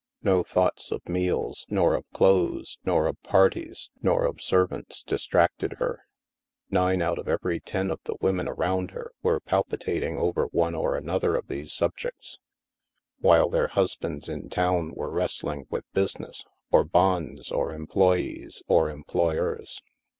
No thoughts of meals, nor of clothes, nor of parties, nor of servants, distracted her. Nine out of every HAVEN 275 ten of the women around her were palpitating over one or another of these subjects, while their hus bands in town were wrestling with business, or bonds, or employees, or employers.